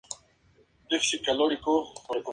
Existe una gran variedad de mamíferos y aves silvestres.